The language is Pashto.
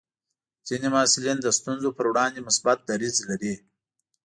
ځینې محصلین د ستونزو پر وړاندې مثبت دریځ لري.